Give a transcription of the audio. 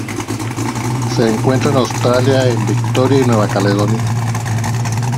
Se encuentra en Australia en Victoria y Nueva Caledonia.